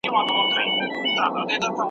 - اینین دیته